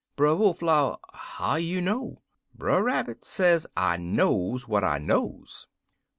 "Brer Wolf 'low, 'How you know?' "Brer Rabbit say, 'I knows what I knows!'